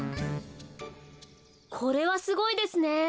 これはすごいですね。